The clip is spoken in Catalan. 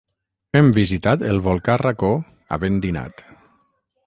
Hem visitat el volcà Racó havent dinat.